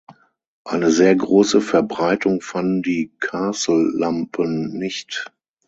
Eine sehr große Verbreitung fanden die Carcel-Lampen nicht.